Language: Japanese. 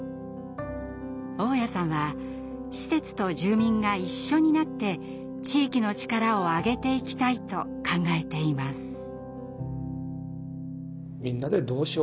雄谷さんは施設と住民が一緒になって地域の力を上げていきたいと考えています。